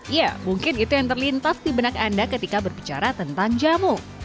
ya mungkin itu yang terlintas di benak anda ketika berbicara tentang jamu